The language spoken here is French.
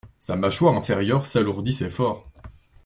Sa mâchoire inférieure s'alourdissait fort.